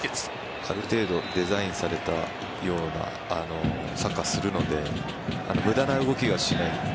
ある程度デザインされたようなサッカーをするので無駄な動きはしない。